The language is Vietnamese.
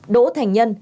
đỗ thành nhân